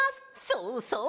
そうそう。